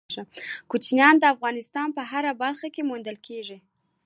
کوچیان د افغانستان په هره برخه کې موندل کېږي.